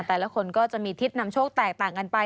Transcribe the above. แต่ละคนก็จะมีทิศนำโชคแตกต่างกันไป